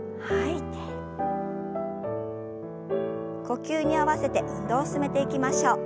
呼吸に合わせて運動を進めていきましょう。